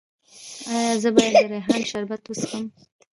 ایا زه باید د ریحان شربت وڅښم؟